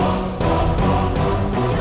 adam capek nih